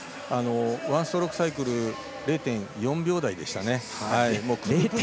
ワンストロークサイクル０．４秒台でしたね。